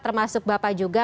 termasuk bapak juga